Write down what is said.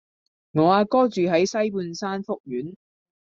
我阿哥住喺西半山福苑